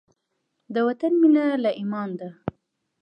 د وطن مینه له ایمانه ده.